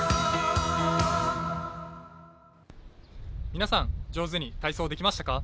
皆さん、上手に体操できましたか。